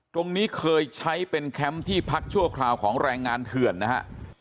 ตรงนี้เคยใช้เป็นแคมป์ที่พักชั่วคราวของแรงงานเถื่อนนะฮะ